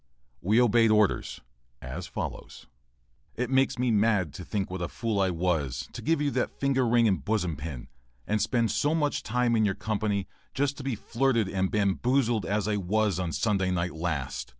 We obeyed orders as follows:] It makes me mad to think what a fool I was to give you that finger ring and bosom pin, and spend so much time in your company, just to be flirted and bamboozled as I was on Sunday night last.